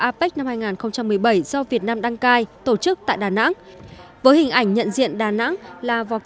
apec năm hai nghìn một mươi bảy do việt nam đăng cai tổ chức tại đà nẵng với hình ảnh nhận diện đà nẵng là vọc